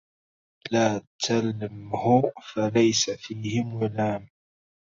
لا تلمه فليس فيه ملام